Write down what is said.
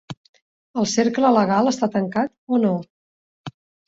El cercle legal està tancat, o no?